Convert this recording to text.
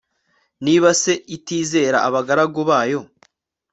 niba se itizera abagaragu bayo